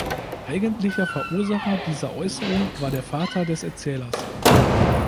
Eigentlicher Verursacher dieser Äußerung war der Vater des Erzählers.